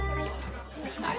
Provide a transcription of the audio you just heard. はい！